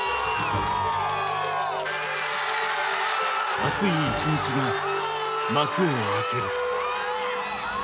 熱い一日が幕を開ける。